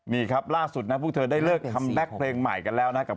นี่ครับล่าสุดนะพวกเธอได้เลิกคัมแบ็คเพลงใหม่กันแล้วนะครับ